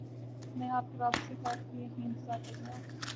میں آپ کی واپسی تک یہیں انتظار کروں گا